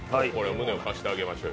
胸を貸してあげましょう。